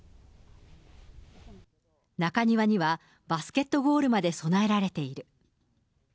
中庭にはバスケットゴールまで備えられている。